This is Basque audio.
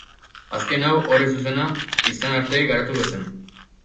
Azken hau, horri zuzena izan arte garatuko zen.